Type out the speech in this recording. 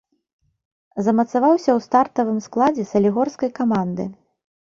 Замацаваўся ў стартавым складзе салігорскай каманды.